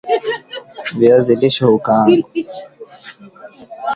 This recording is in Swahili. viazi lishe hukaangwa